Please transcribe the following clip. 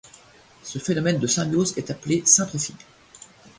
Ce phénomène de symbiose est appelé syntrophie.